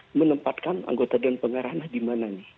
kita akan menempatkan anggota dan pengarahnya di mana nih